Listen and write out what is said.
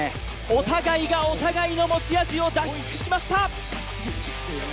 お互いがお互いの持ち味を出し尽くしました！